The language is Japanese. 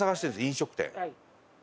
飲食店。